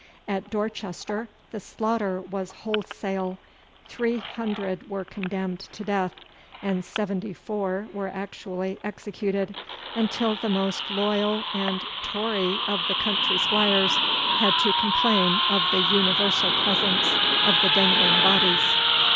At Dorchester the slaughter was wholesale. Three hundred were condemned to death, and seventy four were actually executed, until the most loyal and Tory of the country squires had to complain of the universal presence of the dangling bodies.